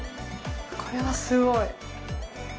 これはすごい。